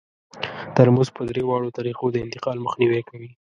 ترموز په درې واړو طریقو د انتقال مخنیوی کوي.